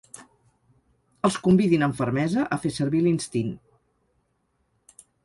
Els convidin amb fermesa a fer servir l'instint.